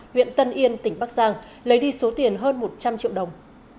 huyện tân yên tỉnh bắc giang lấy đi số tiền hơn một trăm linh triệu đồng